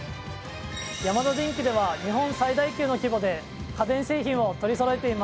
ヤマダデンキでは日本最大級の規模で家電製品を取りそろえています。